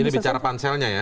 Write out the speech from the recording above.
ini bicara panselnya ya